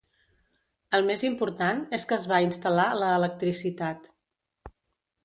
El més important és que es va instal·lar la electricitat.